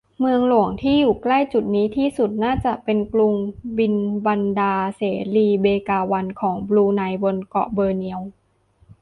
เมืองหลวงที่อยู่ใกล้จุดนี้ที่สุดน่าจะเป็นกรุงบินบันดาร์ เสรี เบกาวัน ของบรูไน บนเกาะบอร์เนียว